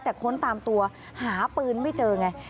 แต่ค้นตามตัวหาปืนไม่เจอไง